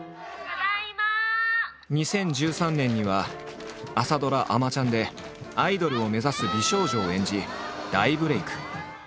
２０１３年には朝ドラ「あまちゃん」でアイドルを目指す美少女を演じ大ブレーク。